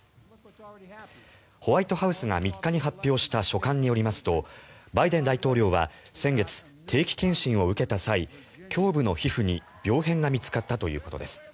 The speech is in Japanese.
ホワイトハウスが３日に発表した書簡によりますとバイデン大統領は先月、定期健診を受けた際胸部の皮膚に病変が見つかったということです。